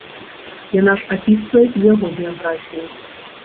Яна ж апісвае і яго біяграфію.